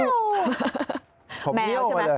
ผมมิ้วมาเลย